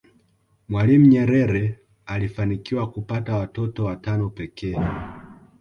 mwalimu nyerere alifanikiwa kupata watotot watano pekee